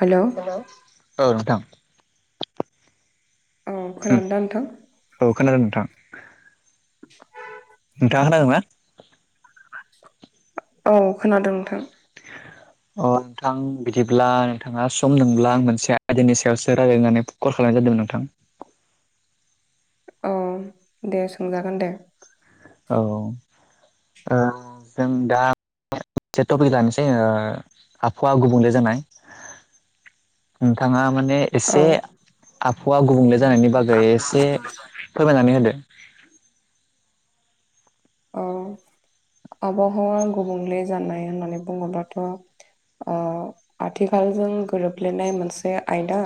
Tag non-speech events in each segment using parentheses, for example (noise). हेल'। Hello औ नोंथां। औ खोनादों दा नोंथां? औ खोनादों नोंथां नोंथाङा खोनादों (unintelligible) ना औ खोनादों नोंथां। अ नोंथां बिदिब्ला नोंथाङा सम दोंब्ला आं मोनसे आयदानि सायावसो रायलायनो होननानै कल खालायनाय जादोंमोन नोंथां। औ दे सोंजागोन दे। औ ओ जों दा से टपिक लानोसै ओ आबहावा गुबुंले जानाय। नोंथाङा माने औ एसे आबहावा गुबुंले जानायनि बागै एसे फोरमायनानै होदो। औ आबहावा गुबुंले जानाय होननानै बुङोबाथ' ओ आथिखालजों गोरोबफ्लेनाय मोनसे आयदा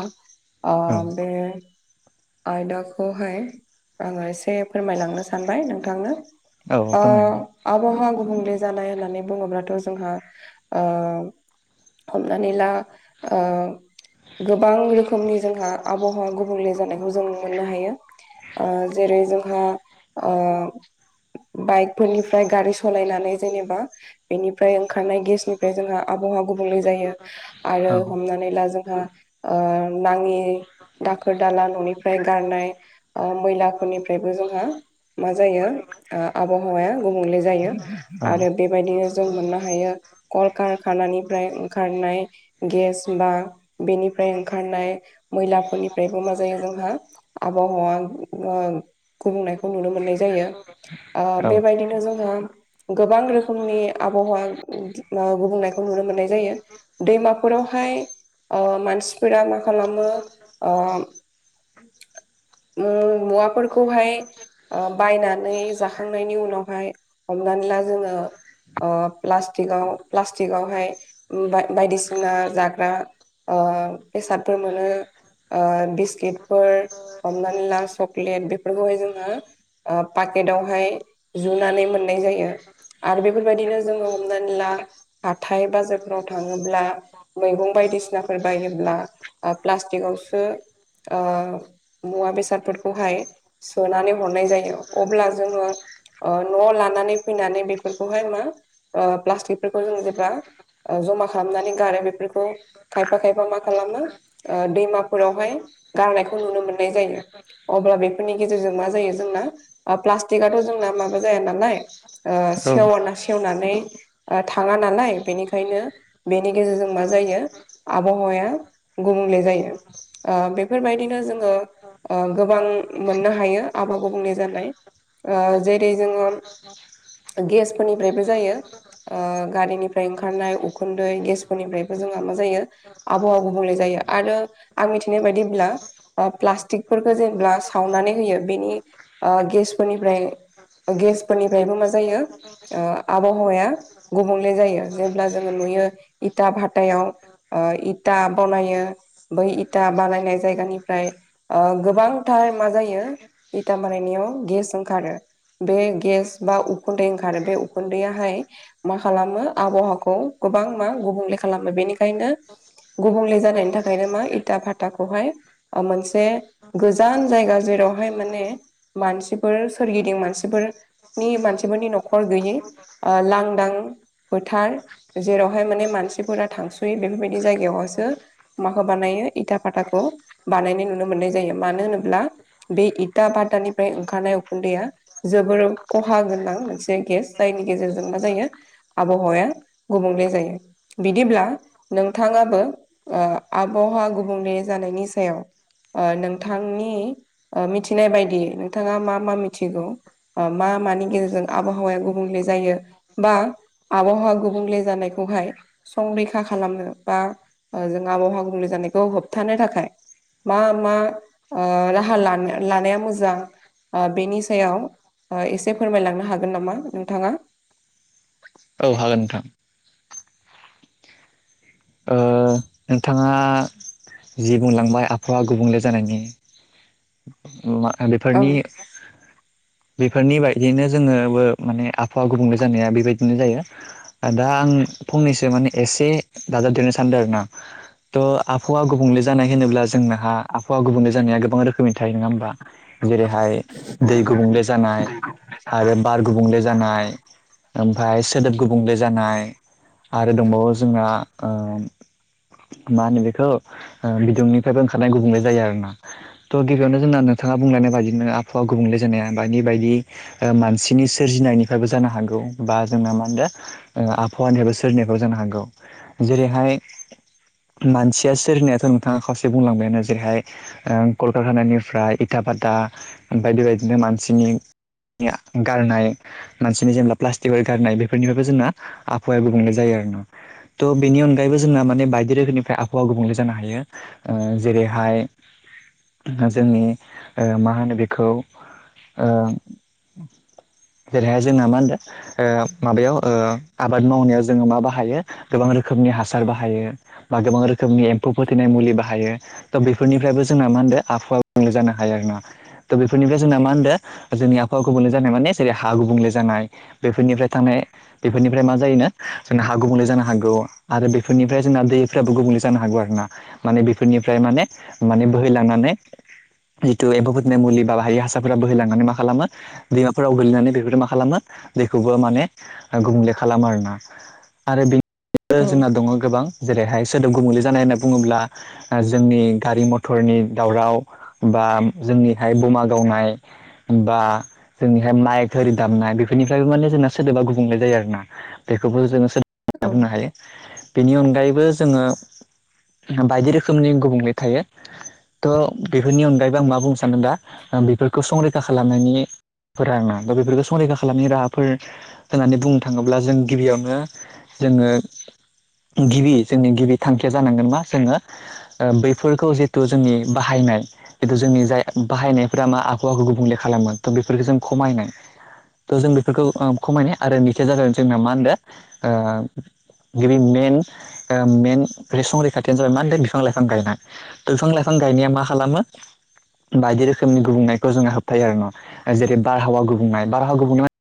ओ औ बे आयदाखौहाय आङो एसे फोरमायलांनो सानबाय नोंथांनो। औ ओ फोरमाय आबहावा गुबुंले जानाय होननानै बुङोब्लाथ' जोंहा ओ हमनानै ला ओ गोबां रोखोमनि जोंहा आबहावा गुबुंले जानायखौ जों मोननो हायो। ओ जेरै जोंहा ओ बाइकफोरनिफ्राय गारि सलायनानै जेनेबा बेनिफ्राय ओंखारनाय गेसनिफ्राय जोंहा आबहावा गुबुंले जायो। आरो औ हमनानै ला जोंहा ओ नाङि दाखोर दाला न'निफ्राय गारनाय ओ मैलाफोरनिफ्रायबो जोंहा मा जायो ओ आबहावाया गुबुंले जायो औ आरो बेबायदिनो जों मोननो हायो। कल कारकानानिफ्राय ओंखारनाय गेस बा बेनिफ्राय ओंखारनाय मैलाफोरनिफ्रायबो मा जायो जोंहा आबहावा गुबुंनायखौ ओ नुनो मोननाय जायो। ओ औ बेबायदिनो जोंङो गोबां रोखोमनि आबहावा गुबुंनायखौ नुनो मोननाय जायो। दैमाफोरावहाय ओ मानसिफोरा मा खालामो ओ मु-मुवाफोरखौहाय बायनानै ओ जा खांनायनि उनावहाय हमनानै ला जोङो ओ प्लास्टिकआव प्लास्टिकआवहाय बा-बायदिसिना जाग्रा ओ बेसादफोर मोनो। ओ बिस्किटफोर हमनानैला सक्लेट बेफोरखौहाय जोङो ओ पाकेटावहाय जुनानै मोननाय जायो आरो बेफोरबायदिनो जोङो हम हमनानैला हाथाइ बाजा राव थाङोब्ला मैगं बायदिसिनाफोर बायोब्ला ओ प्लास्टिकआवसो ओ मुवा बेसादफोरखौहाय सोनानै हरनाय जायो अब्ला जोङो ओ न'आव लानानै फैनानै बेफोरखौहाय मा ओ प्लास्टिकफोरखौ जों जेब्ला ओ जमा खालामनानै गारो बेफोरखौ खायफा खायफा मा खालामो ओ दैमाफोरावहाय गारनायखौ नुनो मोननाय जायो। अब्ला बेफोरनि गेजेरजों मा जायो जोंना प्लास्टिकआथ' जोंना माबा जाया नालाय ओ औ सेवा सेवनानै ओ थाङा नालाय बेनिखायनो बेनि गेजेरजों मा जायो। आबहावाया गुबुंले जायो। ओ बेफोरबायदिनो जोङो ओ गोबां मोननो हायो आबा गुबुंनि जानाय। ओ जेरै जोङो गेसफोरनिफ्रायबो जायो। ओ गारिनिफ्राय ओंखारनाय उखुन्दै गेसफोरनिफ्रायबो जोंहा मा जायो आबहाव गुबुंले जायो आरो आं मिथिनाय बायदिब्ला ओ प्लास्टिकफोरखौ जेबला सावनानै होयो बेनि ओ गेसफोरनिफ्राय गेसफोरनिफ्रायबो मा जायो ओ आबहावाया गुबुंले जायो जेब्ला जोङो नुयो इथा भातायाव ओ इथा बनायो बै इथा बानायनाय जायगानिफ्राय ओ गोबांथार मा जायो इटा बानायनायाव गेस ओंखारो बे गेस बा उखुन्दै ओंखारो बे उखुन्दैआहाय मा खालामो आबहाखौ गोबां मा गुबुंले खालामो बेनिखायनो गुबुंले जानायनि थाखायनो मा इथा फाताखौहाय ओ मोनसे गोजान जायगा जेरावहाय माने मानसि फोर सोरगिदिं मानसिफोरनि मानसिफोरनि न'खर गैयै ओ लांदां फोथार जेरावहाय माने मानसिफोरा थांस'यि बेफोरबायदि जायगायावसो माखौ बानायो इथा भाताखौ बानायनाय नुनो मोननाय जायो मानो होनोब्ला बे इटा बातानिफ्राय ओंखारनाय उखुन्दैया जोबोर खहा गोनां मोनसे गेस जायनि गेजेरजों मा जायो आबहावाया गुबुंले जायो बिदिब्ला नोंथाङाबो ओ आबावहा गुबुंले जानायनि सायाव ओ नोंथांनि ओमिथिनाय बायदि नोंथाङा मा मा मिथिगौ ओ मा मानि गेजेरजों आबहावाया गुबुंले जायो? बा आबावहा गुबुंले जानायखौहाय संरैखा खालामनो बा ओ जों आबावहा गुबुंले जानायखौ होबथानो थाखाय मा मा ओ राहा लान-लानाया मोजां ओ बेनि सायाव ओ एसे फोरमायलांनो हागोन नामा नोंथाङा औ हागोन नोंथां ओ नोंथाङा जि बुंलांबाय आबहावा गुबुंले जानायनि ओ मा बेफोरनि (inaudible) बेफोरनि बायदियैनो जोङोबो माने आभावा गुबुंले जानाया बेबायदिनो जायो आ दा आं फंनैसो माने एसे दाजाबदेरनो सानदों आरो ना (inaudible) थ' आबहावा गुबुंले जानाय होनोब्ला जोंनाहा आबहावा गुबुंले जानाया गोबां रोखोमनि थायो नङा होमबा? जेरैहाय दै गुबुंले जानाय आरो बार गुबुंले जानाय ओमफ्राय सोदोब गुबुंले जानाय। आरो दंबावो जोंना ओम मा होनो बेखौ ओ बिदुंनिफ्रायबो ओंखारनाय गुबुंले जायो आरोना। थ' गिबियावनो जोंना नोंथाङा बुंलायनाय बायदिनो आबहावा गुबुंले जानाया बायदि बायदि ओ मानसिनि सोरजिनायनिफ्रायबो जानो हागौ बा जोंना मा होनदों ओआबहावानिफ्रायबो सोरजिनायबो जानो हागौ, जेरैहाय मानसिया सोरजिनायाथ' नोंथांङा खावसे बुंलांबायानो जेरैहाय ओ कलकारखानानिफ्राय इथा भाता बायदि बायदिनो मानसिनि या गारनाय मानसिनि जेनेब्ला प्लास्टिकफोर गारनाय बेफोरनिफ्रायबो जोंना आहावाया गुबुंले जायो आरो ना त' बेनि अनगायैबो जोंना माने बाइक बिदि रोखोमनिफ्राय आबहावा गुबुंले जानो हायो ओ जेरैहाय ओ जोंनि ओ मा होनो बेखौ ओ जेरैहाय जोंना मा होनदों ओ माबायाव ओ आबाद मावनायाव जोङो मा बाहायो गोबां रोखोमनि हासार बाहायो बा गोबां रोखोमनि एम्फौ फोथैनाय मुलि बाहायो त' बेफोरनिफ्रायबो जोंना मा होदो आबहावा गुबुंले जानो हायो आरो ना थ' बेफोरनिफ्राय जोंना मा होनदों जोंनि आहावा गुबुंले जानाय माने जेरै हा गुबुंले जानाय, बेफोरनिफ्राय थांनाय बेफोरनिफ्राय मा जायोना जोंना हा गुबुंले जानो हागौ आरो बेफोरनिफ्राय जोंना दैफ्राबो गुबुंले जानो हागौ आरो ना, माने बेफोरनिफ्राय माने माने बोहै लानानै जिथु एम्फफोर फथनाय मुलि बा बायि हासारफोरा बोहैलांनानै मा खालामो दैमा फोराव गोगलैनानै बेफोरजों मा खालामो दैखौबो माने गुबुंले खालामो आरोना। आरो बेनि औ जोंना दङ गोबां जेरैहाय सोदोब गुब मुलि जानाय होनना बुङोब्ला जोंनि गारि मथरनि दावराव बा जोंनिहाय बमा गावनाय, बा जोंनिहाय माइ थोरि दामनाय बेफोरनिफ्रायबो माने जोंना सोदोबा गुबुंले जायो आरोना। बेखौबो जोङो सोदोब गुबुंनाय औ बुंनो हायो बेनि अनगायैबो जोङो बायदि रोखोमनि गुबुंले थायो। थ' बेफोरनि अनगायैबो आं मा बुंनो सानदों दा बेफोरखौ संरैखा खालामनायनि फोर आरोना दा बेफोरखौ संरैखा खालामनि राहाफोर होननानै बुंनो थाङोब्ला जों गिबियावनो जोङो गिबि जोंनि गिबि थांखिया जानांगोन मा जोङो बैफोरखौ जिथु जोंनि बाहायनाय बेथु जोंनि जाय बाहायनायफोरा मा आख' आखु गुबुंले खालामो थ' बेफोरफोरखौ जों खमायनाय। थ' जों बेफोरखौ खमायनाय आरो नैथिया जागोन जोंना मा होनदों गिबि मेन मेन संरिखाथियानो जाबाय मा होनदों बिफां लाइफां गायनाय। थ' बिफां लाइफां गायनाया मा खालामो बायदि रोखोमनि गुबुंनायखौ जोंङो होबथायायो आरो न जेरै बारहावा गुबुंनाय बारहाव गुबंनाया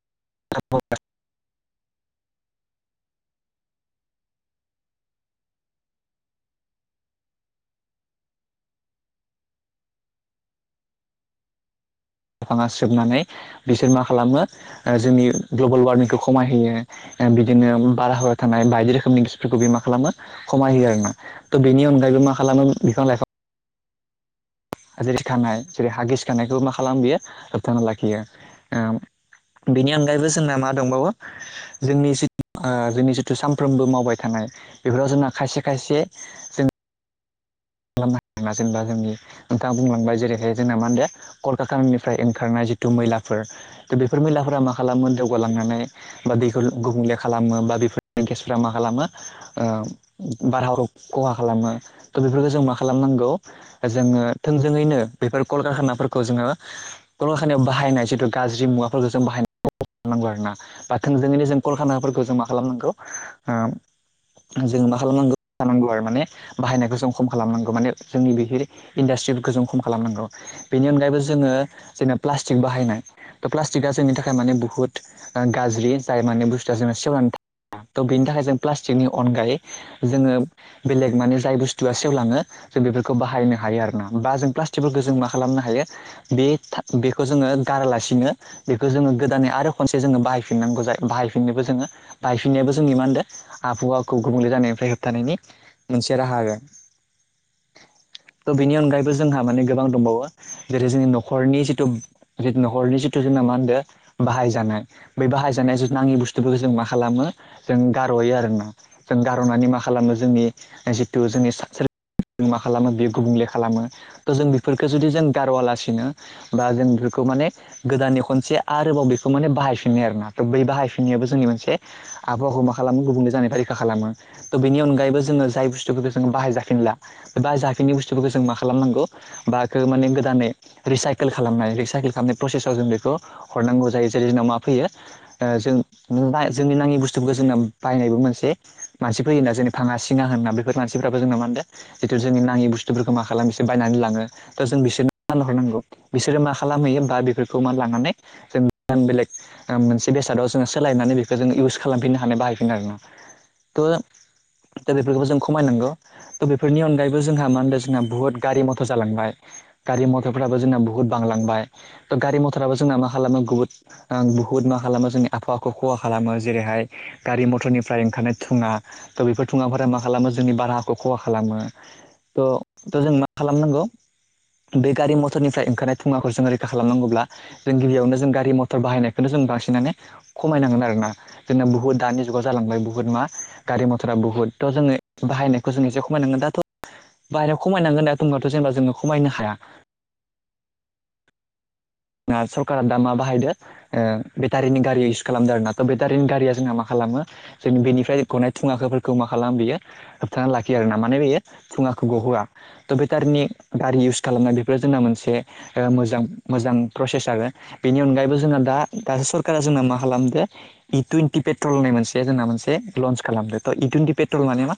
(unintelligible) लाफाङा सोबनानै बिसोर मा खालामो जोंनि ग्लबेल वारमिंखौ खमायहोयो। बिदिनो बार हवाया थानाय बायदि रोखोमनि गिसफोरखौ बे मा खालामो खमाय होयो आरोना। थ' बेनि अनगायै मा खालामो बिफां लाइफां जेरै खानाय जेरै हा गिस खानायखौ मा खालाम बियो होबथाना लाखियो। बेनि अनगायैबो जोंना मा दंबावो जोंनि जिथु जोंनि जिथु सामफ्रोमबो मावबाय थानाय बेफोराव जोंना खायसे खायसे जों (unintelligible) जेनेबा जोंनि नोंथाङा बुंलांबाय जेरैहाय जोंना मा होनदो कलकारनिफ्राय ओंखारनाय जिथु मैलाफोर थ' बेफोर मैलाफोरा मा खालामो दौगालांनानै बा बेखौ गुबुंले खालामो बा बेफोर गेसफोरा मा खालामो ओ बारहाव खहा खालामो थ' बेफोरफोरखौ जों मा खालामनांगौ जोङो थोंजोङैनो बेफोर कलकारखानाफोरखौ जोङो कलकारकानायाव बाहायनाय जिथु गाज्रि मुवाफोरखौ जों बाहायनांग खालामनांगौ आरोना बा थोंजोङैनि जों कलखानाफोरखौ जों मा खालामनांगौ जोङो मा खालामनांगौ जानांगौ आरो माने बाहायनायखौ जों खम खालामनांगौ माने जोंनि बि इन्डास्ट्रिफोरखौ जों खम खालामनांगौ। बेनि अनगायैबो जोङो जोंना प्लास्टिक बाहायनाय त' प्लास्टिकआ जोंनि थाखाय माने बुहुत गाज्रि जाय माने बुस्थुआ जोंना सेवनानै था त' बेनि थाखाय जों प्लास्टिकनि अनगायै जोङो बेलेग माने जाय बुस थुवा सेव लाङो जों बेफोरखौ बाहायनो हायो आरो ना। बा जों प्लास्टिकफोरखौ जों मा खालामनो हायो बे बेखौ जोङो गारालासिनो बेखौ जोङो गोदानै आरो खनसे जोङो बायिनांगौ जायो बाहायफिननोबो जोङो बाहायफिननायाबो जोंनि मा होनदों आबहावाखौ गुबुंले जानायनिफ्राय होबथानायनि मोनसे राहा आरो। थ' बेनि अनगायैबो जोंहा माने गोबां दंबावो जेरै जोंनि न'खरनि जिथु जिथु नखरनि जिथु जोंना मा होनदो बाहायजानाय बे बाहायजानाय जुथ नाङि बुस्थुफोरखौ जों मा खालामो जों गारह'यो आरोना। जों गार'नानै मा खालामो जोंनि जिथु जोंनि सोर जों मा खालामो बे गुबुंले खालामो थ' जों बेफोरखौ जुदि जों गार'आलासिनो बा जों बेफोरखौ माने गोदाननि खनसे आरोबाव बेखौ माने बाहायफिननाय आरो ना थ' बै बाहायफिननायाबो जोंनि मोनसे आबहावाखौ मा खालामो गुबुंले जानायखौ रैखा खालामो त' बेनि अनगायैबो जोङो जाय बुस्थुफोरखौ जों बाहाय जा जाफिनला बे जाफिननि बुस्थुफोरखौ जों मा खालामनांगौ बाखौ माने गोदानै रिसाइकेल खालामनाय रिसाइकेल खालामनाय प्रसेसव जों बेखौ हरनांगौ जायो जेरै जोंनाव मा फैयो ओ जों बा- जोंनि नाङि बुस्थुखौ जोंना बायनायबो मोनसे मानसि फैयोना जेरै फाङा सिङा होनना बेफोर मानसिफ्राबो जोंना मा खामदो जिथु जोंनि नाङि बुस्थुफोरखौ मा खालामो एसोर बायनानै लाङो दा जों बिसोरनो (inaudible) हरनांगौ। बिसोरो मा खालामहैयो बा बेफोरखौ मा लानानै जों (unintelligible) बेलेग मोनसे बेसादाव जोङो सोलायनानै बेखौ जोङो इउस खालामफिननो हानाय बाहायफिनो आरो ना। थ' दा बेफोरखौबो जों खमायनांगौ। त बेफोरनि अनगायैबो जोंहा मा होनदों जोंहा बुहुत गारि मथर जालांबाय। गारि मथरफ्राबो जोंना बुहुत बांलांबाय। त' गारि मथराबो जोंना मा खालामो गुबुन ओं बुहुत मा खालामो जोंनि आबहावाखौ खहा खालामो जेरैहाय गारि मथरनिफ्राय ओंखारनाय धुङा त' बेफोर धुङाफोरा मा खालामो जोंनि बाराखौ खहा खालामो। थ' थ' जों मा खालामनांगौ बे गारि मटरनिफ्राय ओंखारनाय धुवाखौ जों रैखा खालामनांगौब्ला जों गिबियावनो जों गारि मथर बाहायनायखौनो जों बांसिनानो खमायनांगोन आरो ना। जोंना बुहुत दानि जुगाव जालांबाय बुहुत मा गारि मथरा बहुत थ' जोङो बाहायनाय जों एसे खमायनांगोन दाथ'। बाहेरायाव खमायनांगोन दा दब्लााथ' जेनेबा जोङो खमायनो हाया। सरकारा दा मा बाहायदो ओ बेटारिनि गारि इउस खालामदों आरो ना थ' बेटारिनि गारिया जोंहा मा खालामो जों बेनिफ्राय गनाय धुङाफोरखौ मा खालामो बियो? होबथाना लाखियो आरो ना माने बेयो फुङाखौ गहोआ। थ' बेटारिनि गारि इउस खालामनाय बेफोरो जोंना मोनसे मोजां मोजां प्रसेस आरो बेनि अनगायैबो जोंना दा दासो सरकारा जोंना मा खालामदो इ टुइन्टि पेट्रल होननाय मोनसे जोंना मोनसे लन्स खालामदों त इ टुइेन्टि पेट्रल माने मा?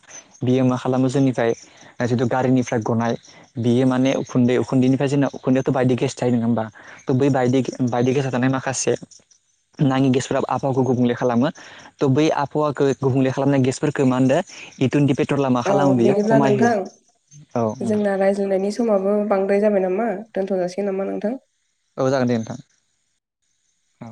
बियो मा खालामो जोंनिफ्राय जितु गारिनिफ्राय गनाय बियो माने उखुन्दै उखुन्दैनिफ्राय जोंना उखुन्दैआवथ' बायदि गेस थायो नङा होमबा? बै बायदि बायदि गेसाव थानाय माखासे नाङि गेसफोरा आबहावाखौ गुबुंले खालामो। त' बै आबहावाखौ गुबुंले खालामनाय गेसफोरखो मा होनदो इटुइन्टि पेट्रला मा ओ खालामो बेयो बिदिब्ला खमायहो, नोंथां औ नोंथां। जोंना रायज्लायनायनि समाबो बांद्राय जाबाय नामा दोन्थ' जाासिगोन नामा नोंथां? औ जागोन दे नोंथां। औ